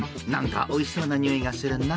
おいしそうなにおいがするな。